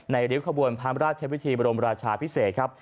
ริ้วขบวนพระราชวิธีบรมราชาพิเศษครับ